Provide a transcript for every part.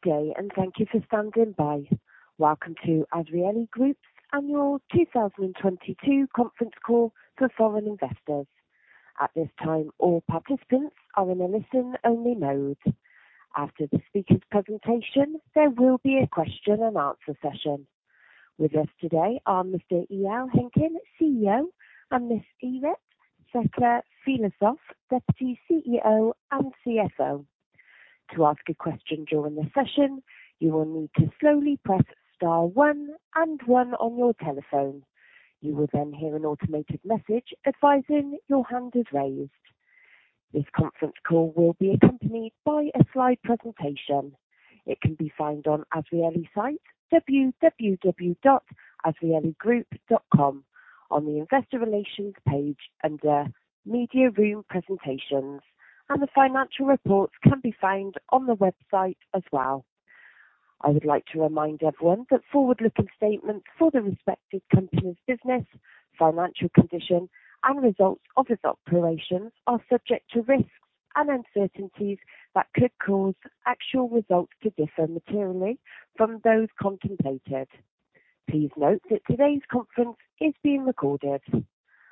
Good day, thank you for standing by. Welcome to Azrieli Group's Annual 2022 Conference Call for Foreign Investors. At this time, all participants are in a listen-only mode. After the speaker's presentation, there will be a question and answer session. With us today are Mr. Eyal Henkin, CEO, and Ms. Irit Sekler-Pilosof, Deputy CEO and CFO. To ask a question during the session, you will need to slowly press star one and one on your telephone. You will then hear an automated message advising your hand is raised. This conference call will be accompanied by a slide presentation. It can be found on Azrieli, www.azrieligroup.com, on the Investor Relations page under Media Room Presentations, and the financial reports can be found on the website as well. I would like to remind everyone that forward-looking statements for the respective company's business, financial condition, and results of its operations are subject to risks and uncertainties that could cause actual results to differ materially from those contemplated. Please note that today's conference is being recorded.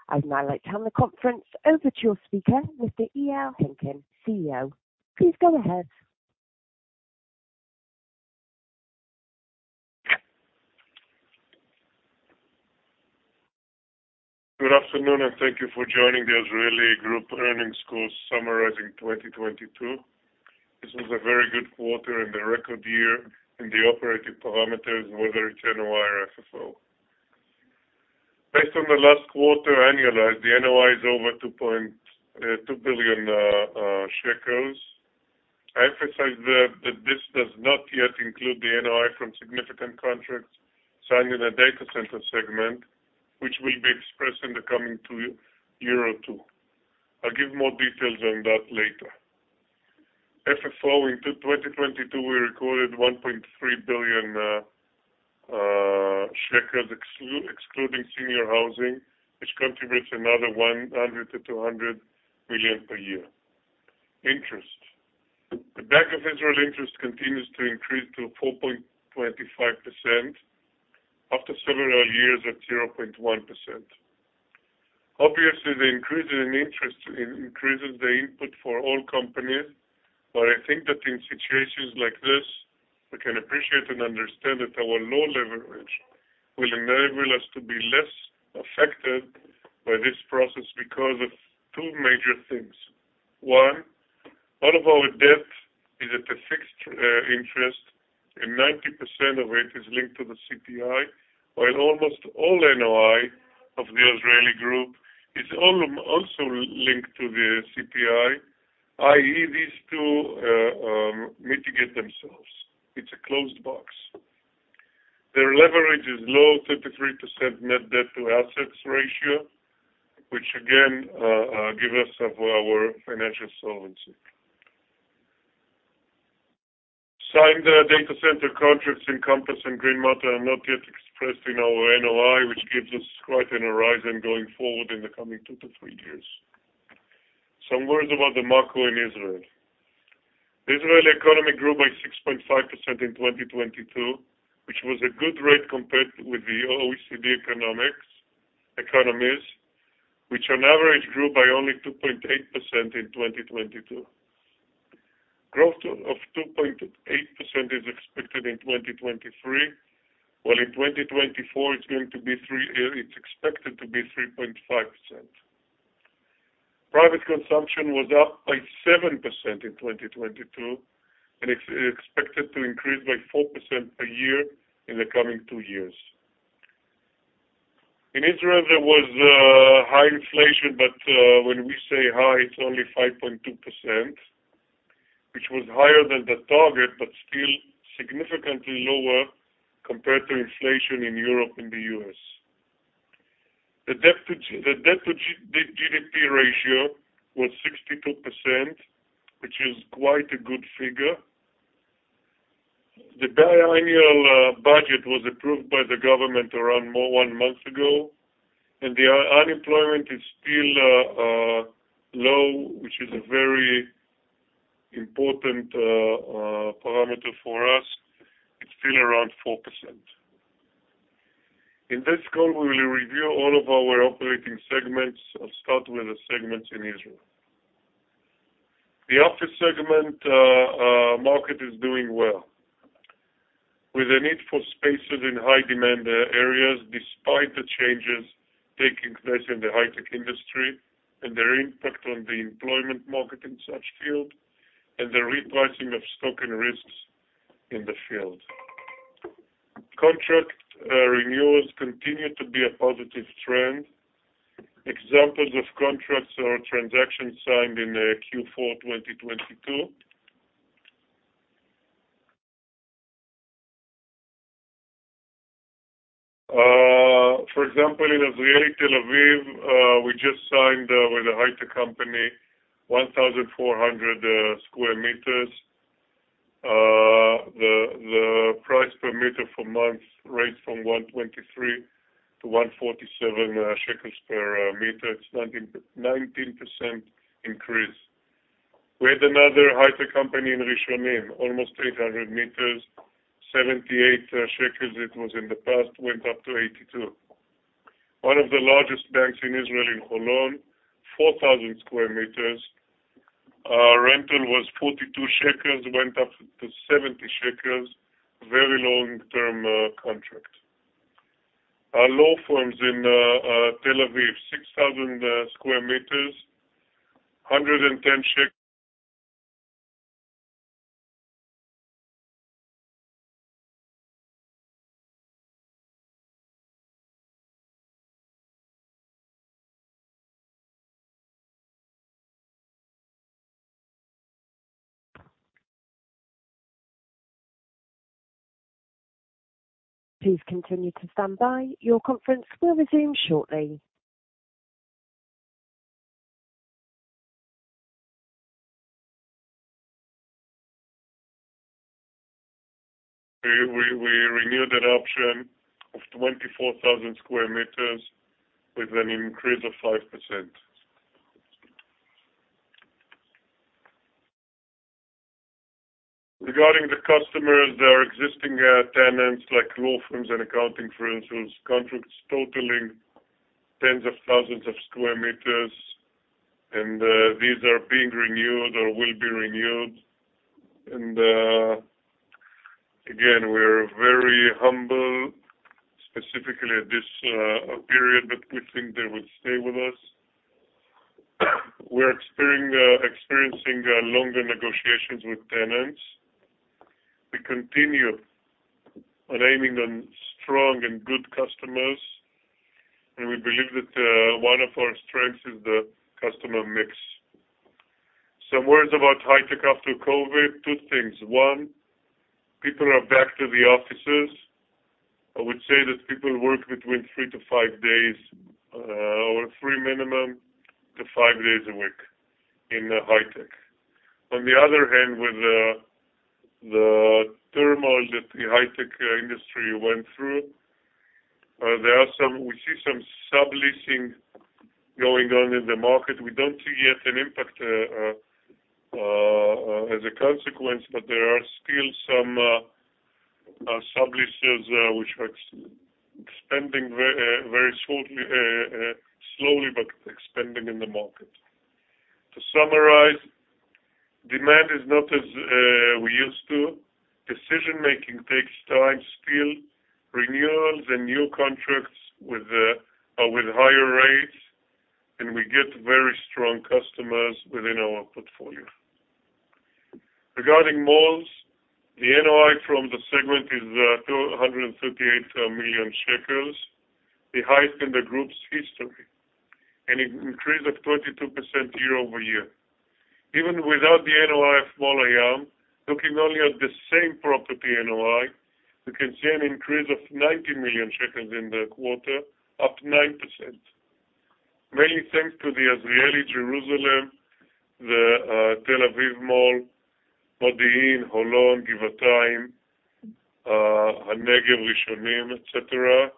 I'd now like to hand the conference over to your speaker, Mr. Eyal Henkin, CEO. Please go ahead. Good afternoon, and thank you for joining the Azrieli Group Earnings Call Summarizing 2022. This was a very good quarter and a record year in the operative parameters, whether it's NOI or FFO. Based on the last quarter annualized, the NOI is over 2.2 billion shekels. I emphasize that this does not yet include the NOI from significant contracts signed in the data center segment, which will be expressed in the coming two year or two. I'll give more details on that later. FFO in 2022, we recorded 1.3 billion shekels excluding senior housing, which contributes another 100 million- 200 million per year. Interest. The Bank of Israel interest continues to increase to 4.25% after several years at 0.1%. Obviously, the increase in interest increases the input for all companies, but I think that in situations like this, we can appreciate and understand that our low leverage will enable us to be less affected by this process because of two major things. One, all of our debt is at a fixed interest, and 90% of it is linked to the CPI, while almost all NOI of the Azrieli Group is also linked to the CPI, i.e. these two mitigate themselves. It's a closed box. Their leverage is low, 33% net debt to assets ratio, which again give us of our financial solvency. Signed data center contracts in Compass and Green Mountain are not yet expressed in our NOI, which gives us quite an horizon going forward in the coming two-three years. Some words about the macro in Israel. The Israeli economy grew by 6.5% in 2022, which was a good rate compared with the OECD economies, which on average grew by only 2.8% in 2022. Growth of 2.8% is expected in 2023, while in 2024, it's expected to be 3.5%. Private consumption was up by 7% in 2022, it's expected to increase by 4% per year in the coming two years. In Israel, there was high inflation, when we say high, it's only 5.2%, which was higher than the target but still significantly lower compared to inflation in Europe and the U.S. The debt to GDP ratio was 62%, which is quite a good figure. The biannual budget was approved by the government around more one month ago, and the unemployment is still low, which is a very important parameter for us. It's still around 4%. In this call, we will review all of our operating segments. I'll start with the segments in Israel. The office segment market is doing well. With a need for spaces in high demand areas despite the changes taking place in the high-tech industry and their impact on the employment market in such field and the repricing of stock and risks in the field. Contract renewals continue to be a positive trend. Examples of contracts or transactions signed in Q4 2022. For example, in Azrieli Tel Aviv, we just signed with a high-tech company 1,400 square meters. The price per meter for month raised from 123 to 147 shekels per meter. It's 19% increase. We had another high-tech company in Rishon LeZion, almost 800 m, 78 shekels it was in the past, went up to 82. One of the largest banks in Israel, in Holon, 4,000 square meters. rental was 42 shekels, went up to 70 shekels. Very long-term contract. Our law firms in Tel Aviv, 6,000 square meters, ILS 110 she-. Please continue to stand by. Your conference will resume shortly. We renewed that option of 24,000 square meters with an increase of 5%. Regarding the customers, there are existing tenants like law firms and accounting firms whose contracts totaling tens of thousands of square meters, these are being renewed or will be renewed. Again, we're very humble, specifically at this period, but we think they will stay with us. We're experiencing longer negotiations with tenants. We continue on aiming on strong and good customers, we believe that one of our strengths is the customer mix. Some words about high-tech after COVID, two things. One, people are back to the offices. I would say that people work between three-five days, or three minimum to five days a week in the high-tech. On the other hand, with the turmoil that the high-tech industry went through, there are some. We see some subleasing going on in the market. We don't see yet an impact as a consequence, but there are still some sublessors which are expanding very slowly, but expanding in the market. To summarize, demand is not as we're used to. Decision-making takes time still. Renewals and new contracts with higher rates. We get very strong customers within our portfolio. Regarding malls, the NOI from the segment is 238 million shekels, the highest in the group's history, and an increase of 22% year-over-year. Even without the NOI of Ayalon Mall, looking only at the same property NOI, we can see an increase of 90 million shekels in the quarter, up 9%. Many thanks to the Azrieli Jerusalem, the Tel Aviv Mall, Modi'in, Holon, Givatayim, HaNegev, Rishon LeZion, et cetera.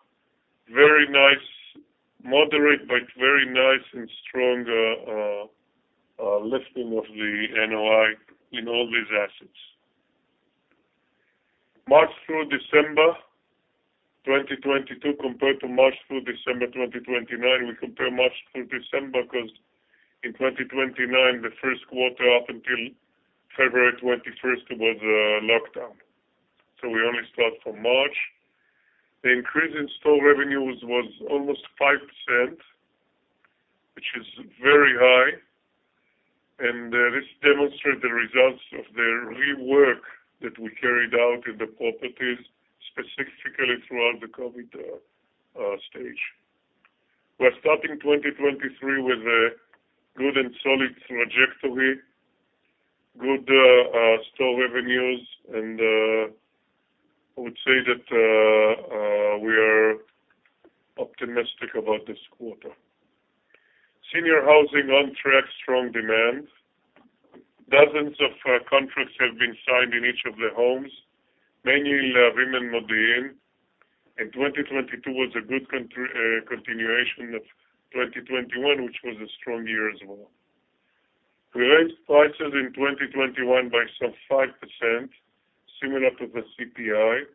Very nice. Moderate, but very nice and strong lifting of the NOI in all these assets. March through December 2022 compared to March through December 2021. We compare March through December because in 2021, the first quarter up until February 21st was a lockdown. We only start from March. The increase in store revenues was almost 5%, which is very high. This demonstrate the results of the rework that we carried out in the properties, specifically throughout the COVID stage. We're starting 2023 with a good and solid trajectory, good store revenues, and I would say that we are optimistic about this quarter. Senior housing on track, strong demand. Dozens of contracts have been signed in each of the homes, mainly in Lehavim and Modi'in. 2022 was a good continuation of 2021, which was a strong year as well. We raised prices in 2021 by some 5%, similar to the CPI.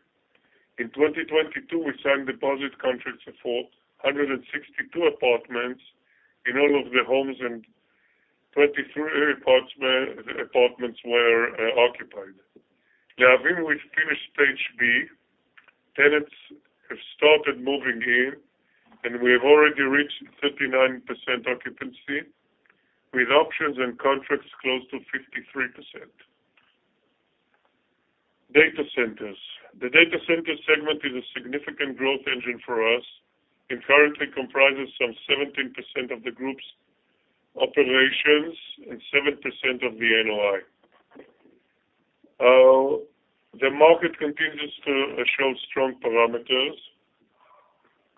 In 2022, we signed deposit contracts for 162 apartments in all of the homes and 23 apartments were occupied. In Lehavim we've finished Stage B. Tenants have started moving in, and we have already reached 39% occupancy, with options and contracts close to 53%. Data centers. The data center segment is a significant growth engine for us. It currently comprises some 17% of the group's operations and 7% of the NOI. The market continues to show strong parameters.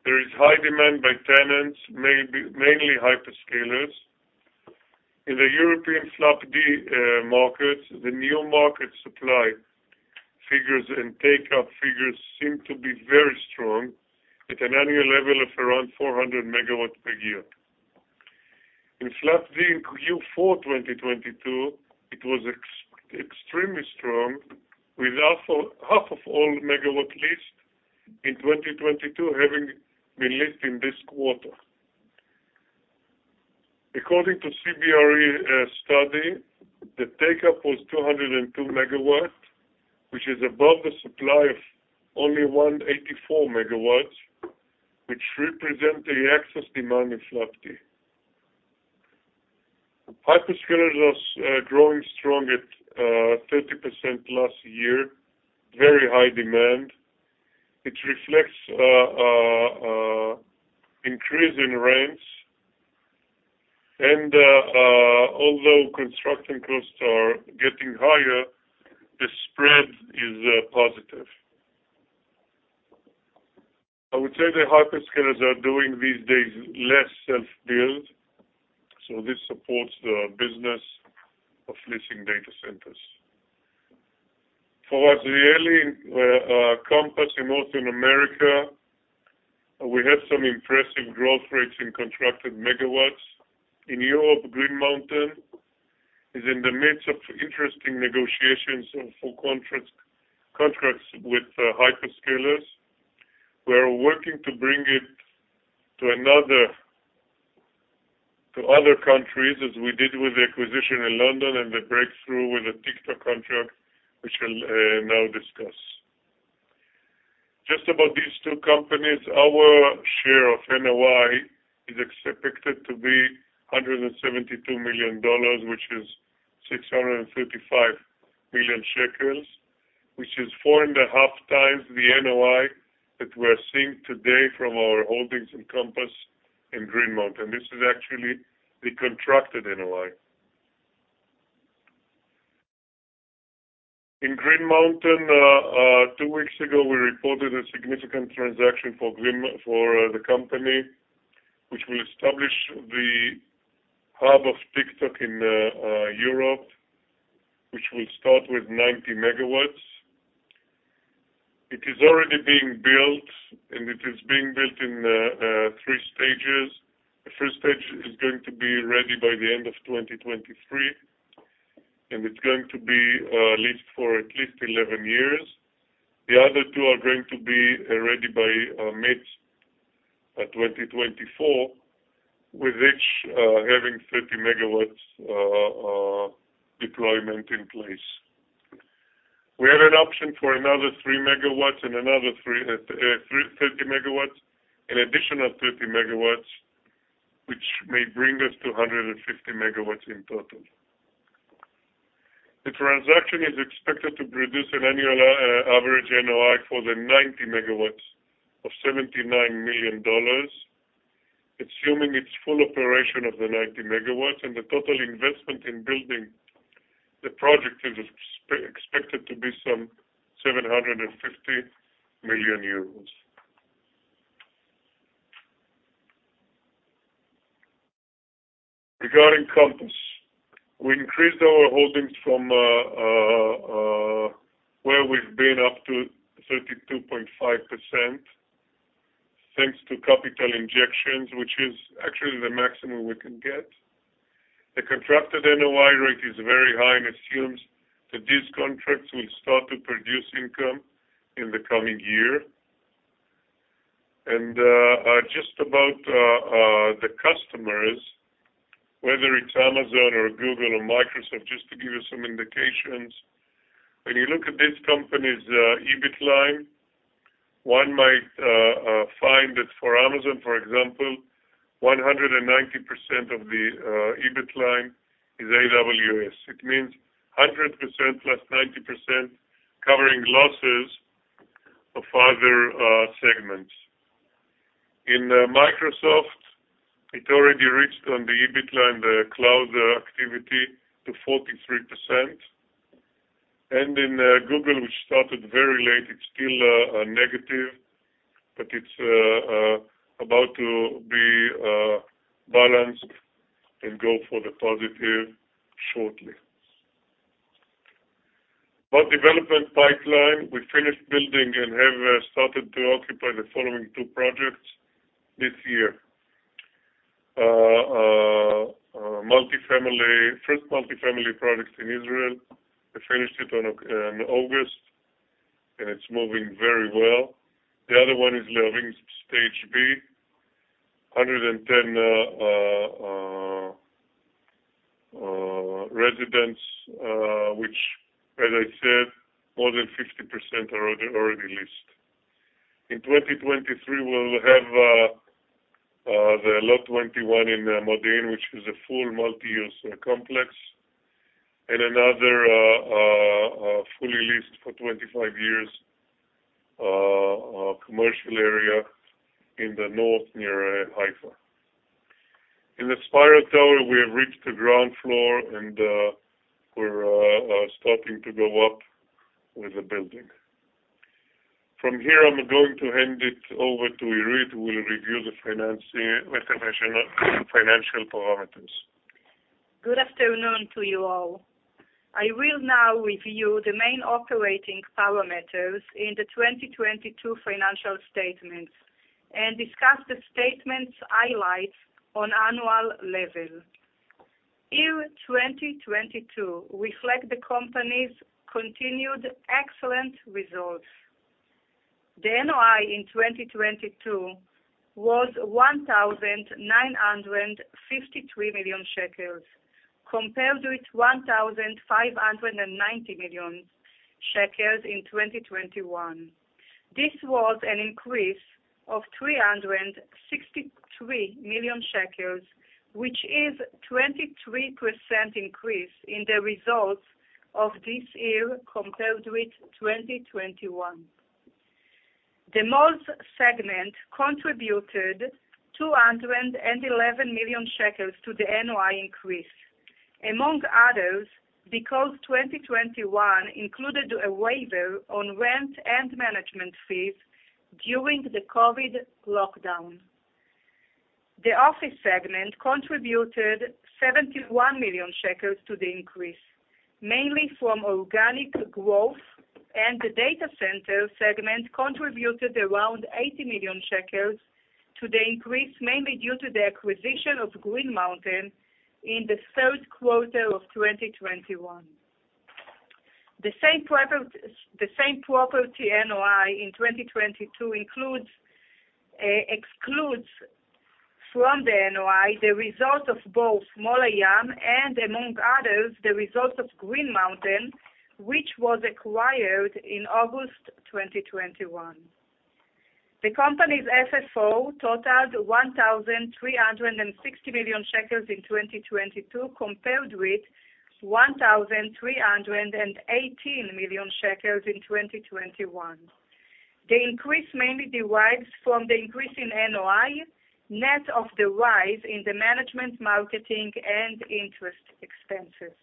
There is high demand by tenants, mainly hyperscalers. In the European FLAP-D markets, the new market supply figures and take-up figures seem to be very strong at an annual level of around 400 MW per year. In FLAP-D in Q4, 2022, it was extremely strong, with half of all megawatt leased in 2022 having been leased in this quarter. According to CBRE study, the take-up was 202 MW, which is above the supply of only 184 MW, which represent the excess demand in FLAP-D. Hyperscalers are growing strong at 30% last year. Very high demand. It reflects increase in rents. Although construction costs are getting higher, the spread is positive. I would say the hyperscalers are doing these days less self-build, so this supports the business of leasing data centers. For Azrieli, Compass in Northern America, we have some impressive growth rates in constructed megawatts. In Europe, Green Mountain is in the midst of interesting negotiations for contracts with hyperscalers. We are working to bring it to other countries, as we did with the acquisition in London and the breakthrough with the TikTok contract, which I'll now discuss. Just about these two companies, our share of NOI is expected to be $172 million, which is 635 million shekels, which is 4.5x the NOI that we're seeing today from our holdings in Compass in Green Mountain. This is actually the contracted NOI. In Green Mountain, two weeks ago, we reported a significant transaction for the company, which will establish the hub of TikTok in Europe, which will start with 90 MW. It is already being built, and it is being built in three stages. The first stage is going to be ready by the end of 2023, and it's going to be leased for at least 11 years. The other two are going to be ready by mid-2024, with each having 30 MW deployment in place. We have an option for another 3 MW and another 30 MW, an additional 30 MW, which may bring us to 150 MW in total. The transaction is expected to produce an annual average NOI for the 90 MW of $79 million, assuming it's full operation of the 90 MW, the total investment in building the project is expected to be some 750 million euros. Regarding Compass, we increased our holdings from where we've been up to 32.5%, thanks to capital injections, which is actually the maximum we can get. The contracted NOI rate is very high and assumes that these contracts will start to produce income in the coming year. Just about the customers, whether it's Amazon or Google or Microsoft, just to give you some indications. When you look at these companies' EBIT line, one might find that for Amazon, for example, 190% of the EBIT line is AWS. It means 100% + 90% covering losses of other segments. In Microsoft, it already reached on the EBIT line, the cloud activity to 43%. In Google, which started very late, it's still negative, but it's about to be balanced and go for the positive shortly. About development pipeline, we finished building and have started to occupy the following two projects this year. Multifamily, first multifamily product in Israel. We finished it in August, and it's moving very well. The other one is Lehavim Stage B. 110 residents, which, as I said, more than 50% are already leased. In 2023, we'll have the Lot 21 in Modi'in, which is a full multi-use complex, and another fully leased for 25 years commercial area in the north near Haifa. In the Spiral Tower, we have reached the ground floor and we're starting to go up with the building. From here, I'm going to hand it over to Irit, who will review the financial parameters. Good afternoon to you all. I will now review the main operating parameters in the 2022 financial statements and discuss the statements highlights on annual level. In 2022, reflect the company's continued excellent results. The NOI in 2022 was 1,953 million shekels, compared with 1,590 million shekels in 2021. This was an increase of 363 million shekels, which is 23% increase in the results of this year compared with 2021. The malls segment contributed 211 million shekels to the NOI increase, among others, because 2021 included a waiver on rent and management fees during the COVID lockdown. The office segment contributed 71 million shekels to the increase, mainly from organic growth. The data center segment contributed around 80 million shekels to the increase, mainly due to the acquisition of Green Mountain in the third quarter of 2021. The same property NOI in 2022 includes, excludes from the NOI, the results of both Mall Hayam and, among others, the results of Green Mountain, which was acquired in August 2021. The company's FFO totaled 1,360 million shekels in 2022, compared with 1,318 million shekels in 2021. The increase mainly derives from the increase in NOI, net of the rise in the management, marketing, and interest expenses.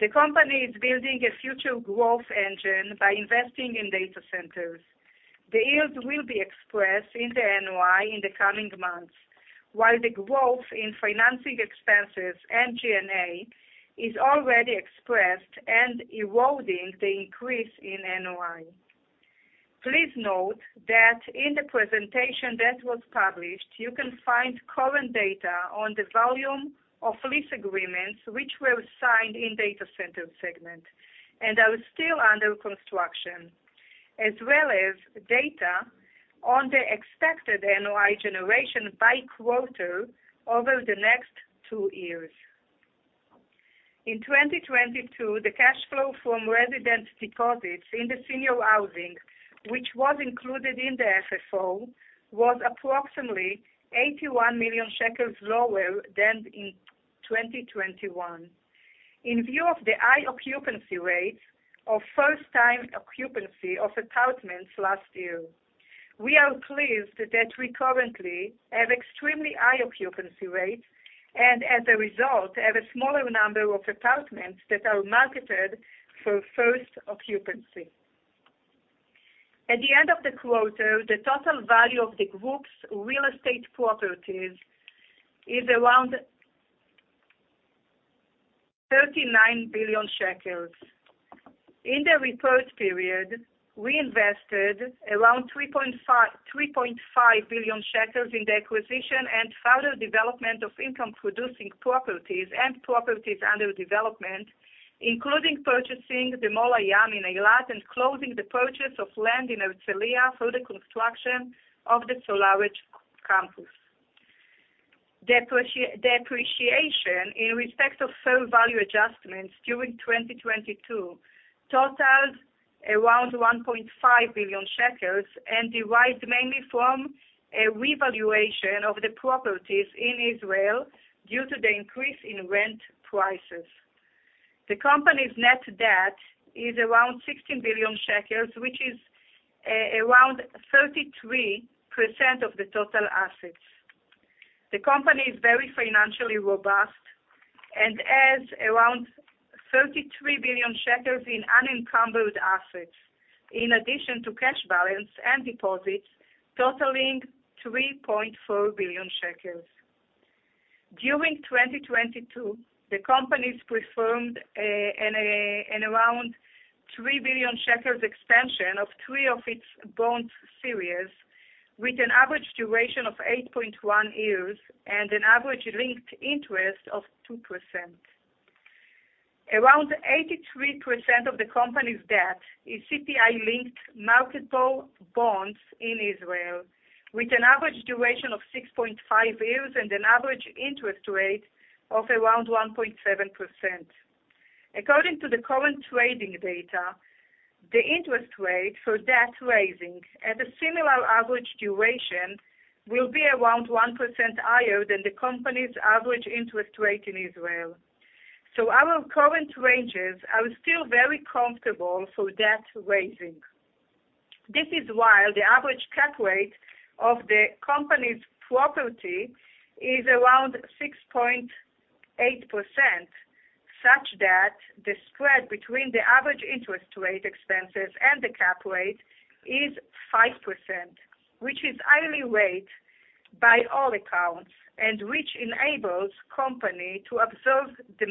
The company is building a future growth engine by investing in data centers. The yield will be expressed in the NOI in the coming months, while the growth in financing expenses and G&A is already expressed and eroding the increase in NOI. Please note that in the presentation that was published, you can find current data on the volume of lease agreements which were signed in data center segment and are still under construction, as well as data on the expected NOI generation by quarter over the next two years. In 2022, the cash flow from resident deposits in the senior housing, which was included in the FFO, was approximately 81 million shekels lower than in 2021. In view of the high occupancy rates of first-time occupancy of apartments last year, we are pleased that we currently have extremely high occupancy rates and as a result, have a smaller number of apartments that are marketed for first occupancy. At the end of the quarter, the total value of the group's real estate properties is around 39 billion shekels. In the report period, we invested around 3.5 billion shekels in the acquisition and further development of income-producing properties and properties under development, including purchasing the Mall Hayam in Eilat and closing the purchase of land in Herzliya for the construction of the SolarEdge Campus. Depreciation in respect of fair value adjustments during 2022 totaled around 1.5 billion shekels, and derived mainly from a revaluation of the properties in Israel due to the increase in rent prices. The company's net debt is around 16 billion shekels, which is around 33% of the total assets. The company is very financially robust and has around 33 billion shekels in unencumbered assets, in addition to cash balance and deposits totaling ILS 3.4 billion. During 2022, the company's performed around 3 billion shekels expansion of three of its bond series, with an average duration of 8.1 years and an average linked interest of 2%. Around 83% of the company's debt is CPI-linked marketable bonds in Israel, with an average duration of 6.5 years and an average interest rate of around 1.7%. According to the current trading data, the interest rate for debt raising at a similar average duration will be around 1% higher than the company's average interest rate in Israel. Our current ranges are still very comfortable for debt raising. This is while the average cap rate of the company's property is around 6.8%. Such that the spread between the average interest rate expenses and the cap rate is 5%, which is highly rate by all accounts, and which enables company to absorb the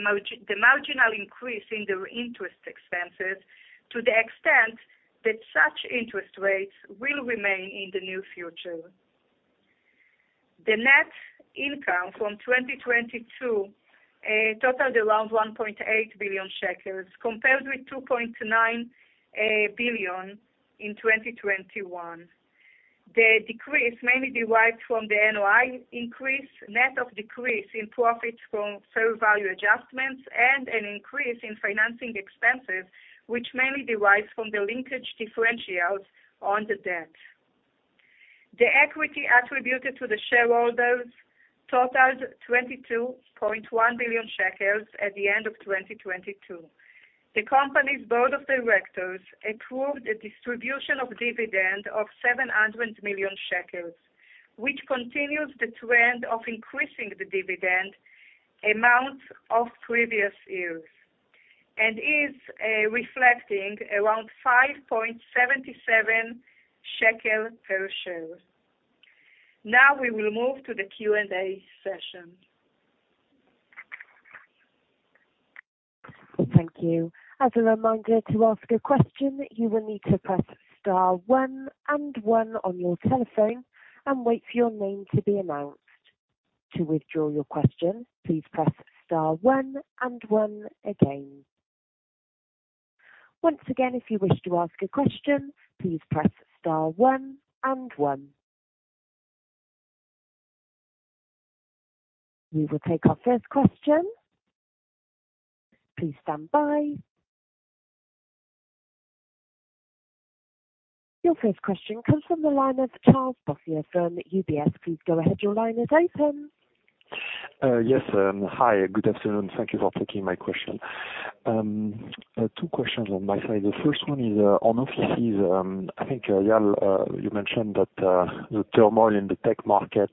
marginal increase in their interest expenses to the extent that such interest rates will remain in the near future. The net income from 2022 totaled around 1.8 billion shekels, compared with 2.9 billion in 2021. The decrease mainly derived from the NOI increase, net of decrease in profits from fair value adjustments, and an increase in financing expenses, which mainly derives from the linkage differentials on the debt. The equity attributed to the shareholders totaled 22.1 billion shekels at the end of 2022. The company's board of directors approved a distribution of dividend of 700 million shekels, which continues the trend of increasing the dividend amounts of previous years, and is reflecting around 5.77 shekel per share. We will move to the Q&A session. Thank you. As a reminder, to ask a question, you will need to press star one and one on your telephone and wait for your name to be announced. To withdraw your question, please press star one and one again. Once again, if you wish to ask a question, please press star one and one. We will take our first question. Please stand by. Your first question comes from the line of Charles Boissier from UBS. Please go ahead, your line is open. Yes, hi, good afternoon. Thank Thank you for taking my question. Two questions on my side. The first one is on offices. I think Eyal, you mentioned that the turmoil in the tech market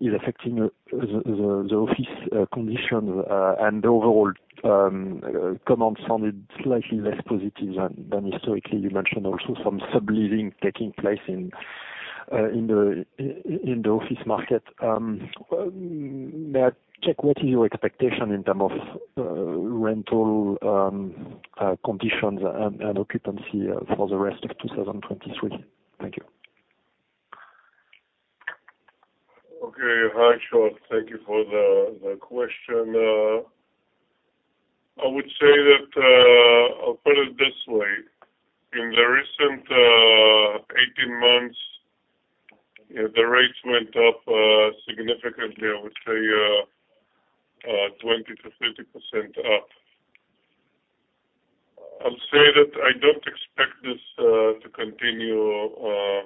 is affecting the office condition, and overall comment sounded slightly less positive than historically. You mentioned also some subleasing taking place in the office market. May I check what is your expectation in term of rental conditions and occupancy for the rest of 2023? Thank you. Okay. Hi, Charles Boissier. Thank you for the question. I would say that. I'll put it this way. In the recent 18 months, the rates went up significantly, I would say, 20% to 30% up. I'll say that I don't expect this to continue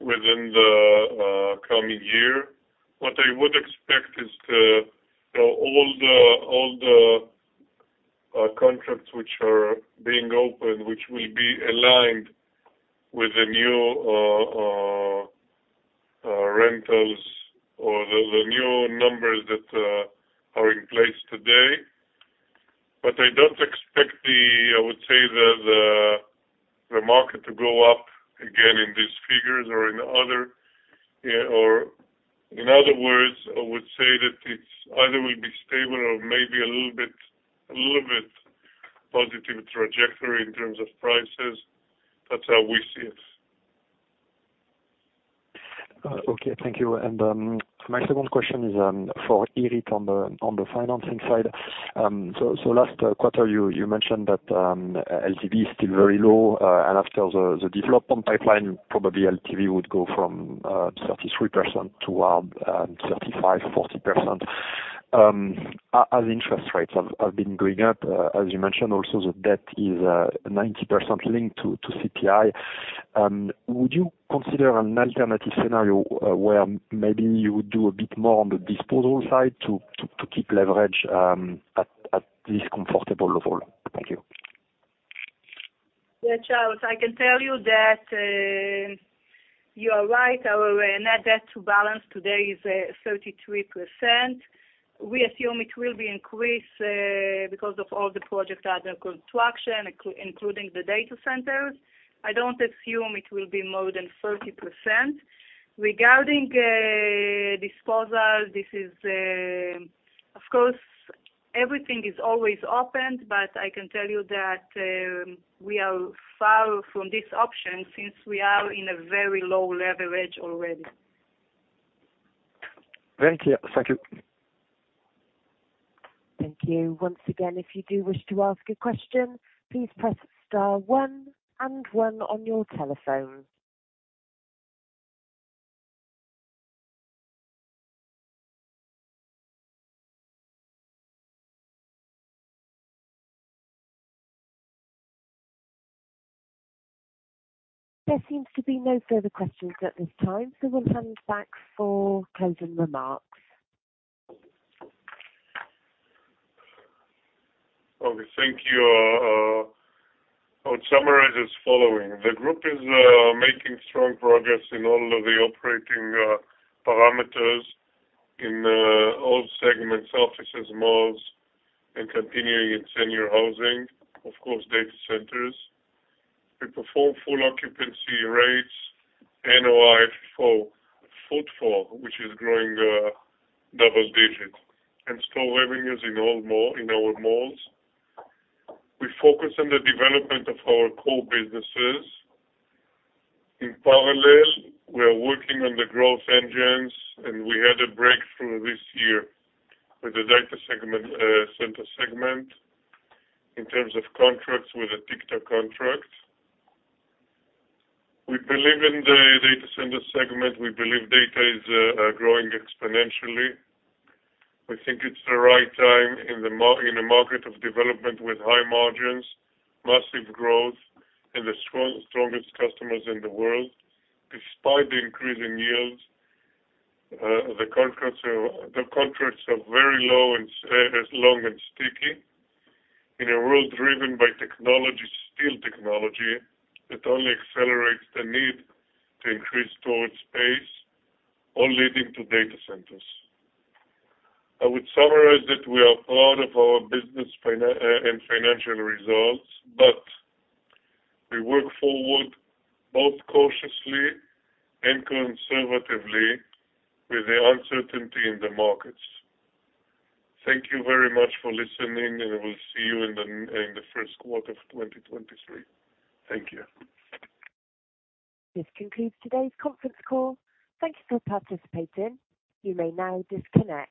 within the coming year. What I would expect is, you know, all the contracts which are being opened, which will be aligned with the new rentals or the new numbers that are in place today. I don't expect, I would say the market to go up again in these figures or in other words, I would say that it's either will be stable or maybe a little bit positive trajectory in terms of prices. That's how we see it. Okay, thank you. My second question is for Irit Sekler-Pilosof on the financing side. Last quarter, you mentioned that LTV is still very low, and after the development pipeline, probably LTV would go from 33% to 35% to 40%. As interest rates have been going up, as you mentioned also, the debt is 90% linked to CPI. Would you consider an alternative scenario where maybe you would do a bit more on the disposal side to keep leverage at this comfortable level? Thank you. Yeah, Charles, I can tell you that you are right. Our net debt to balance today is 33%. We assume it will be increased because of all the projects that are construction, including the data centers. I don't assume it will be more than 30%. Regarding disposal, this is, of course, everything is always opened, but I can tell you that we are far from this option since we are in a very low leverage already. Thank you. Thank you. Thank you. Once again, if you do wish to ask a question, please press star one and one on your telephone. There seems to be no further questions at this time. We'll hand it back for closing remarks. Okay, thank you. I would summarize as following. The group is making strong progress in all of the operating parameters in all segments, offices, malls, and continuing in senior housing, of course, data centers. We perform full occupancy rates, NOI footfall, which is growing double digits, and store revenues in our malls. We focus on the development of our core businesses. In parallel, we are working on the growth engines, and we had a breakthrough this year with the data center segment in terms of contracts with a TikTok contract. We believe in the data center segment. We believe data is growing exponentially. We think it's the right time in the market of development with high margins, massive growth, and the strongest customers in the world. Despite the increase in yields, the contracts are very low and long and sticky. In a world driven by technology, still technology, it only accelerates the need to increase storage space, all leading to data centers. I would summarize that we are proud of our business and financial results. We work forward both cautiously and conservatively with the uncertainty in the markets. Thank you very much for listening, and we will see you in the first quarter of 2023. Thank you. This concludes today's conference call. Thank you for participating. You may now disconnect.